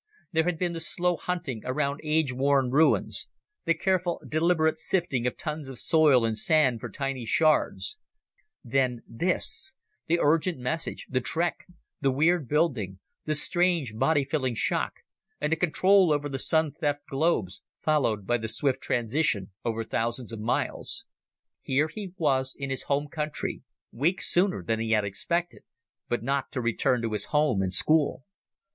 There had been the slow hunting around age worn ruins; the careful, deliberate sifting of tons of soil and sand for tiny shards; then this: the urgent message, the trek, the weird building, the strange, body filling shock, and the control over the Sun theft globes, followed by the swift transition over thousands of miles. Here he was in his home country weeks sooner than he had expected but not to return to his home and school.